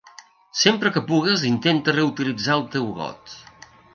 Sempre que pugues intenta reutilitzar el teu got.